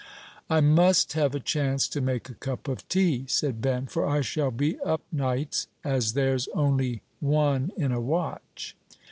"I must have a chance to make a cup of tea," said Ben; "for I shall be up nights, as there's only one in a watch."